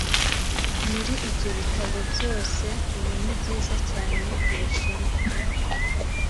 Muri ibyo bitabo byose, ubu ni byiza cyane ku Bushinwa.